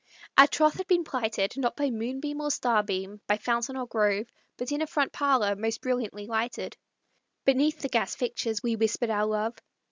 Our troth had been plighted, Not by moonbeam or starbeam, by fountain or grove, But in a front parlor, most brilliantly lighted, Beneath the gas fixtures, we whispered our love.